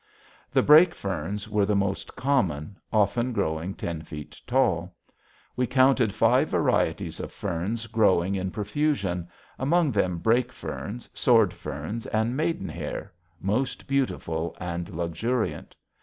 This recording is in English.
The brake ferns were the most common, often growing ten feet tall. We counted five varieties of ferns growing in profusion, among them brake ferns, sword ferns, and maidenhair, most beautiful and luxuriant.